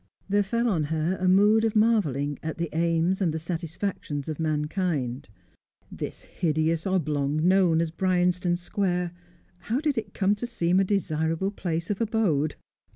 There fell on her a mood of marvelling at the aims and the satisfactions of mankind. This hideous oblong, known as Bryanston Square how did it come to seem a desirable place of abode?